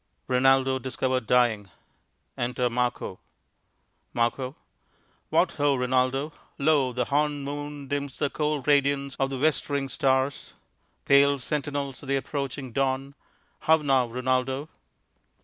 _ Rinaldo discovered dying. Enter Marco_._ Mar. What ho, Rinaldo! Lo, the hornéd moon Dims the cold radiance of the westering stars, Pale sentinels of the approaching dawn. How now, Rinaldo?